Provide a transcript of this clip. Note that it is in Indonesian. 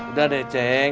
udah deh ceng